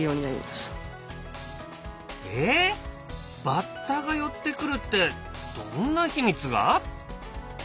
バッタが寄ってくるってどんな秘密が？